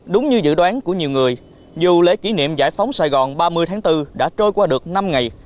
đúng như dự đoán của nhiều người dù lễ kỷ niệm giải phóng sài gòn ba mươi tháng bốn đã trôi qua được năm ngày